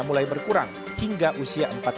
mulai berkurang hingga usia